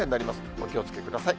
お気をつけください。